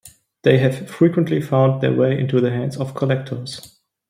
They have frequently found their way into the hands of collectors.